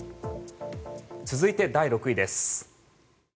続いて、第６位です。